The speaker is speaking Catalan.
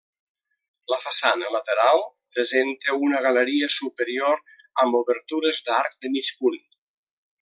La façana lateral presenta una galeria superior amb obertures d'arc de mig punt.